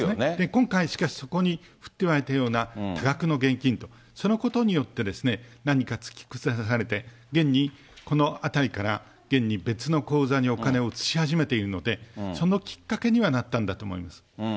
今回、しかしそこに、降って湧いたような多額の現金と、そのことによって、何か突き動かされて、現にこのあたりから、現に、別の口座にお金を移し始めているので、そのきっかけにはなったんだと思います。